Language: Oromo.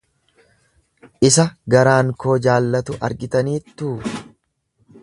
Isa garaan koo jaallatu argitaniittuu.